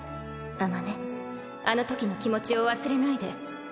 あまねあのときの気持ちを忘れないで。